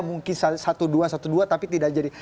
mungkin satu dua satu dua tapi tidak jadi